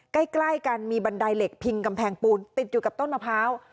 ใกล้กันมีบันไดเหล็กพิงกำแพงปูนติดอยู่กับต้นมะพร้าว